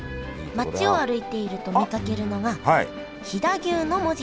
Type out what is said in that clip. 町を歩いていると見かけるのが飛騨牛の文字